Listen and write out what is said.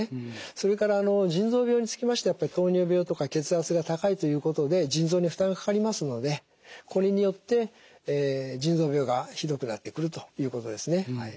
それから腎臓病につきましては糖尿病とか血圧が高いということで腎臓に負担がかかりますのでこれによって腎臓病がひどくなってくるということですね。